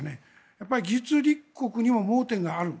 やっぱり技術立国にも盲点がある。